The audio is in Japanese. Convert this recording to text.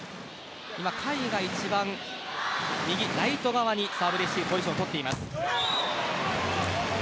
今、甲斐が一番右ライト側にサーブレシーブポジションを取っています。